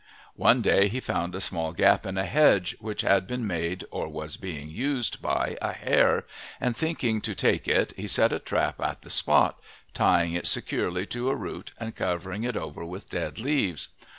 One day he found a small gap in a hedge, which had been made or was being used by a hare, and, thinking to take it, he set a trap at the spot, tying it securely to a root and covering it over with dead leaves.